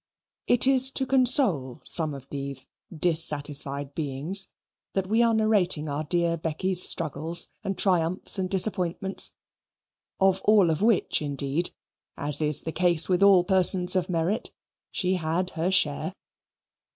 It is to console some of these dissatisfied beings that we are narrating our dear Becky's struggles, and triumphs, and disappointments, of all of which, indeed, as is the case with all persons of merit, she had her share.